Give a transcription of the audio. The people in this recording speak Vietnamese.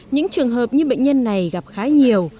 những trường hợp như bệnh nhân này gặp khá nhiều